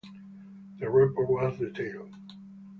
The report was detailed.